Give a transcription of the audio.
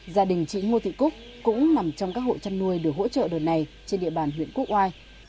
gia đình chị ngô thị cúc cũng nằm trong các hộ chăn nuôi được hỗ trợ đợt này trên địa bàn huyện quốc oai